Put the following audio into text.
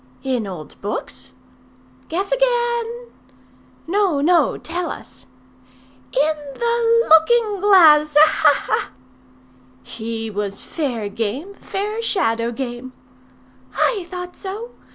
"In old books?" "Guess again." "No, no. Tell us." "In the looking glass. Ha! ha! ha!" "He was fair game; fair shadow game." "I thought so.